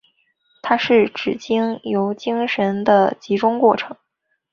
它是指经由精神的集中过程。